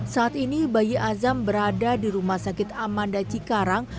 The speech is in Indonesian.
saat ini bayi azam berada di rumah sakit amanda cikarang